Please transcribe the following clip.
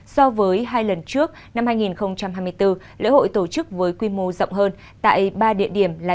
so với hai lần trước năm hai nghìn hai mươi bốn lễ hội tổ chức với quy mô rộng hơn tại ba địa điểm là